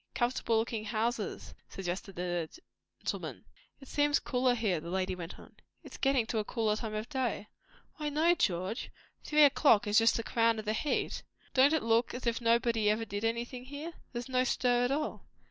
"Comfortable looking houses," suggested the gentleman. "It seems cooler here," the lady went on. "It is getting to a cooler time of day." "Why, no, George! Three o'clock is just the crown of the heat. Don't it look as if nobody ever did anything here? There's no stir at all."